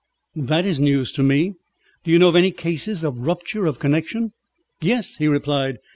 "This is news to me. Do you know of any cases of rupture of connection?" "Yes," he replied.